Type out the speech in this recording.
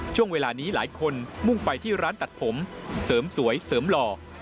ช่วงเวลานี้หลายคนมุ่งไปที่ร้านตัดผมเสริมสวยเสริมหล่อ